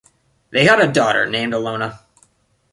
They had a daughter, named Ilona.